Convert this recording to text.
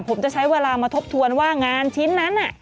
ผมจะใช้เวลามาทบทวนว่างานชิ้นนั้น